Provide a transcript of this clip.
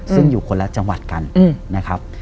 ซึ่งอยู่คนละจังหวัดกันนะครับ